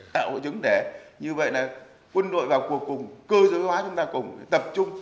tạo hội chứng để như vậy là quân đội vào cuộc cùng cơ giới hóa chúng ta cũng tập trung